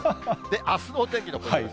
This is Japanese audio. あすのお天気のポイントです。